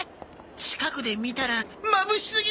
近くで見たらまぶしすぎる！